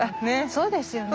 そうですよね。